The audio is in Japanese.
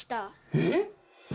えっ？